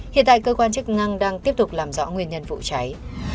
hiện tại cơ quan chức năng đang tiếp tục làm rõ nguyên nhân vụ cháy